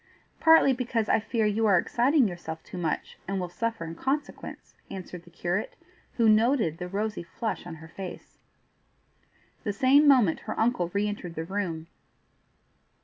"Partly because I fear you are exciting yourself too much and will suffer in consequence," answered the curate, who had noted the rosy flush on her face. The same moment her uncle re entered the room.